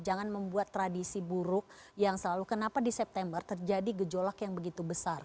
jangan membuat tradisi buruk yang selalu kenapa di september terjadi gejolak yang begitu besar